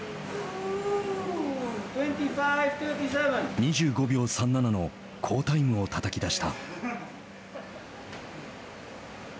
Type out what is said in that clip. ２５秒３７の好タイムをたたき出した。